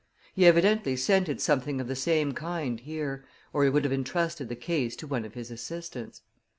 He evidently scented something of the same kind here, or he would have entrusted the case to one of his assistants.